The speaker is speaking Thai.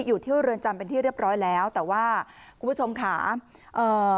อยู่ที่เรือนจำเป็นที่เรียบร้อยแล้วแต่ว่าคุณผู้ชมค่ะเอ่อ